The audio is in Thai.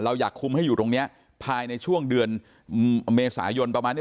อยากคุมให้อยู่ตรงนี้ภายในช่วงเดือนเมษายนประมาณนี้